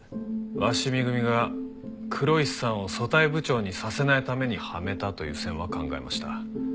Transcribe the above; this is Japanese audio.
鷲見組が黒石さんを組対部長にさせないためにはめたという線は考えました。